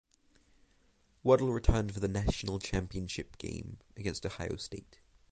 Waddle returned for the National Championship game against Ohio State.